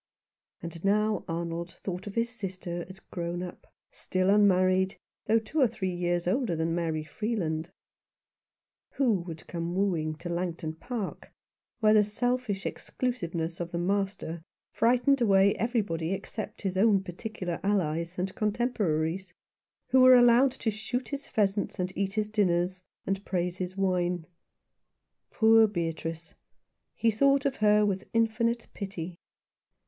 And now Arnold thought of his sister as grown up, still unmarried, though two or three years older than Mary Freeland. Who would come wooing to Langton Park, where the selfish exclusiveness of the master frightened away everybody except his own particular allies and contemporaries, who were allowed to shoot his pheasants, and eat his dinners, and praise his wine ? Poor Beatrice ! he thought of her with infinite pity.